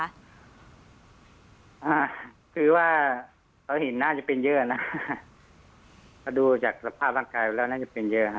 อ่าคือว่าเขาเห็นน่าจะเป็นเยอะนะถ้าดูจากสภาพร่างกายแล้วน่าจะเป็นเยอะฮะ